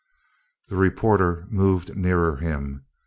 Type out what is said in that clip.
The reporter moved nearer him.